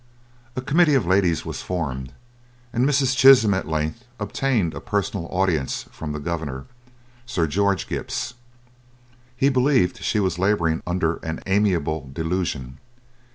A committee of ladies was formed, and Mrs. Chisholm at length obtained a personal audience from the Governor, Sir George Gipps. He believed she was labouring under an amiable delusion.